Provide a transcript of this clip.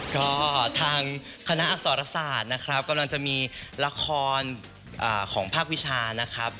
ก็ทางคณะอักษรศาสตร์นะครับกำลังจะมีละครของภาควิชานะครับ